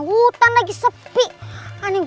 hutan lagi sepi hanin